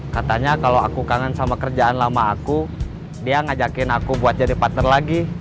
katanya kalau aku kangen sama kerjaan lama aku dia ngajakin aku buat jadi partner lagi